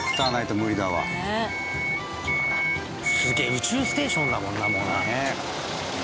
宇宙ステーションだもんなもうな。